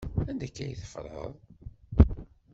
Anda akka ay teffreḍ?